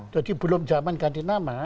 jadi belum zaman ganti nama